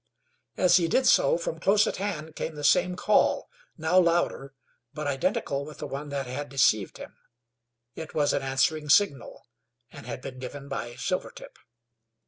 As he did so from close at hand came the same call, now louder, but identical with the one that had deceived him. It was an answering signal, and had been given by Silvertip.